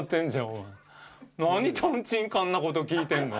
お前何とんちんかんなこと聞いてんの？